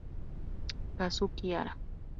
Kazuki Hara